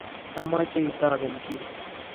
omeche itoben kii